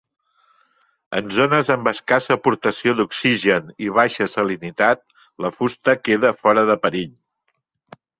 En zones amb escassa aportació d'oxigen i baixa salinitat la fusta queda fora de perill.